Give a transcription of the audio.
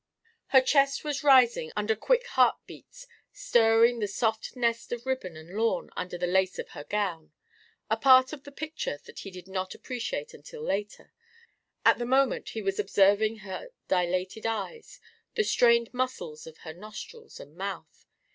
Her chest was rising under quick heartbeats, stirring the soft nest of ribbon and lawn under the lace of her gown, a part of the picture that he did not appreciate until later; at the moment he was observing her dilated eyes, the strained muscles of her nostrils and mouth.